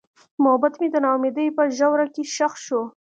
محبت مې د نا امیدۍ په ژوره کې ښخ شو.